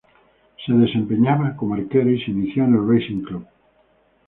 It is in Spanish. Se desempeñaba como arquero y se inició en Racing Club.